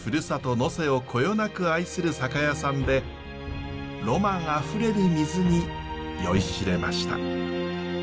能勢をこよなく愛する酒屋さんでロマンあふれる水に酔いしれました。